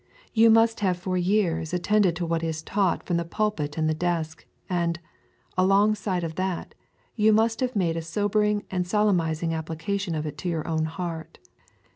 You must have for years attended to what is taught from the pulpit and the desk, and, alongside of that, you must have made a sobering and solemnising application of it all to your own heart.